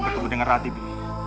bagi bertemu dengan raditya